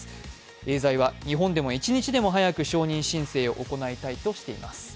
エーザイは、日本でも一日も早く承認申請を行いたいとしています。